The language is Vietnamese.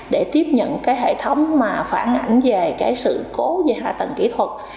để tiếp nhận hệ thống phản ảnh về sự cố về hạ tầng kỹ thuật